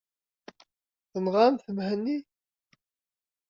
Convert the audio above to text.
Tenɣamt Mhenni?